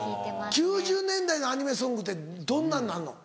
９０年代のアニメソングってどんなんなるの？